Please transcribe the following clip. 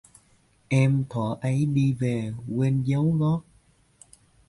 Em thuở ấy đi về quên dấu gót